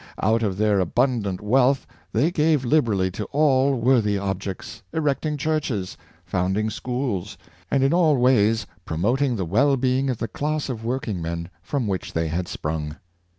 Out of their abundant wealth they gave liberally to all v/orthy ob jects, erecting churches, founding schools, and in all ways promoting the well being of the class of working men from which they had sprung.